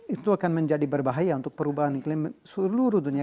itu akan menjadi berbahaya untuk perubahan iklim seluruh dunia